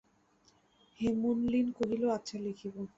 হেমনলিনী কহিল, আচ্ছা, লিখব।